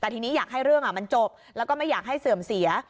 แต่ทีนี้อยากให้เรื่องมันจบแล้วก็ไม่อยากให้เสื่อมเสีย